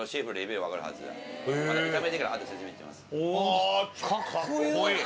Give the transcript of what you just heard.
ああかっこいい。